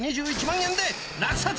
２１万円で落札！